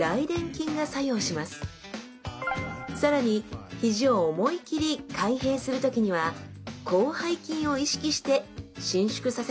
更にひじを思い切り開閉する時には広背筋を意識して伸縮させましょう。